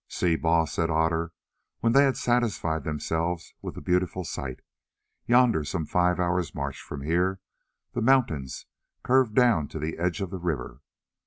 "See, Baas," said Otter, when they had satisfied themselves with the beautiful sight, "yonder, some five hours' march from here, the mountains curve down to the edge of the river.